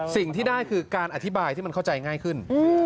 สิ่งที่ได้คือการอธิบายที่มันเข้าใจง่ายขึ้น